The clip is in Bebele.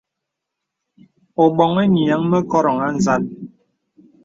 Ō boŋhi nīəŋ mə koròŋ à nzàl.